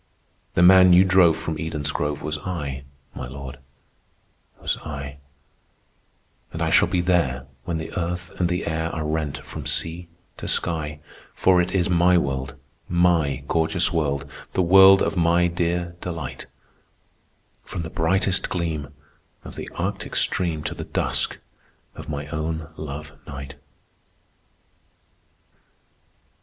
"The man you drove from Eden's grove Was I, my Lord, was I, And I shall be there when the earth and the air Are rent from sea to sky; For it is my world, my gorgeous world, The world of my dear delight, From the brightest gleam of the Arctic stream To the dusk of my own love night."